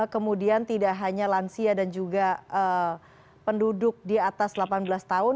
kemudian tidak hanya lansia dan juga penduduk di atas delapan belas tahun